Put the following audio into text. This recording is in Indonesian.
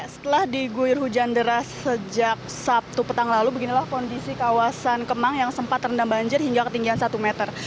setelah diguyur hujan deras sejak sabtu petang lalu beginilah kondisi kawasan kemang yang sempat terendam banjir hingga ketinggian satu meter